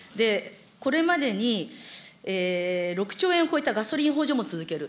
これまでに６兆円を超えたガソリン補助も続ける。